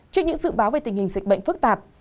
trước những dự báo về tình hình dịch bệnh phức tạp